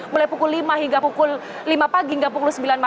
mulai pukul lima hingga pukul lima pagi hingga pukul enam belas jam